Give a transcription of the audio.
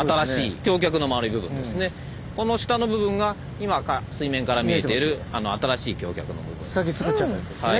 この下の部分が今水面から見えてる新しい橋脚の部分です。